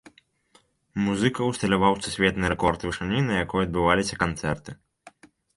Музыка ўсталяваў сусветны рэкорд вышыні, на якой адбываліся канцэрты.